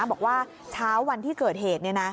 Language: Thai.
บอกว่าเช้าวันที่เกิดเหตุ